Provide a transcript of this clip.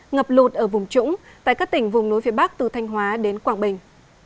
ngập lụt ở vùng trũng tại các tỉnh vùng núi phía bắc từ thanh hóa đến quảng bình